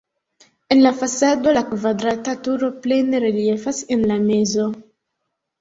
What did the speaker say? En la fasado la kvadrata turo plene reliefas en la mezo.